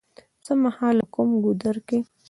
څه مهال او کوم ګودر کې